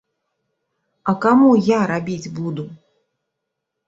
А каму я рабіць буду?!